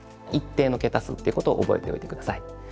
一定の桁数っていうことを覚えておいて下さい。